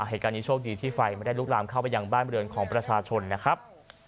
เหตุการณ์นี้โชคดีที่ไฟไม่ได้ลุกลามเข้าไปยังบ้านบริเวณของประชาชนนะครับ